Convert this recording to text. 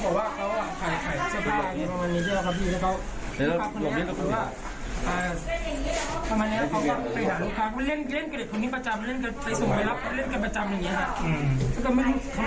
โอ้โห